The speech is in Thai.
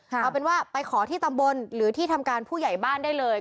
เอาเป็นว่าไปขอที่ตำบลหรือที่ทำการผู้ใหญ่บ้านได้เลย